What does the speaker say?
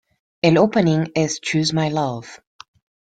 El opening es "Choose my love!